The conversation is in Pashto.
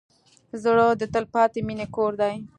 زړه د تلپاتې مینې کور دی.